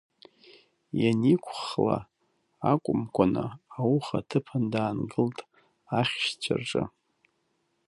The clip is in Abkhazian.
Ианиқәхәла акәымкәаны, ауха аҭыԥан даангылт, ахьшьцәа рҿы.